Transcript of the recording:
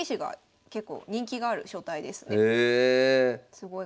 すごい。